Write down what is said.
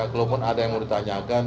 kalaupun ada yang mau ditanyakan